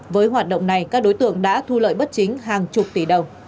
với hoạt động này các đối tượng đã thu lợi bất chính hàng chục tỷ đồng